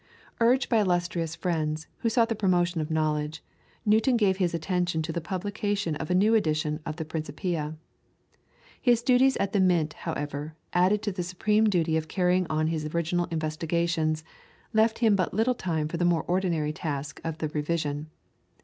Urged by illustrious friends, who sought the promotion of knowledge, Newton gave his attention to the publication of a new edition of the "Principia." His duties at the Mint, however, added to the supreme duty of carrying on his original investigations, left him but little time for the more ordinary task of the revision.